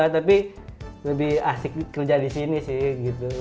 tapi lebih asik kerja disini sih gitu